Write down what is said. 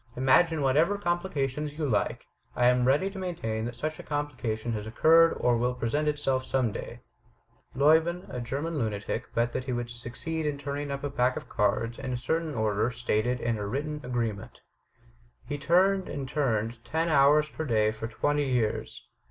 Imagine whatever complication you like, I am ready to maintain that such a complication has occurred or will present itself some day. Lieuben, a German Itmatic, bet that he would suc ceed in turning up a pack of cards in a certain order stated in a written agreement. He turned and turned ten hours per day for twenty years.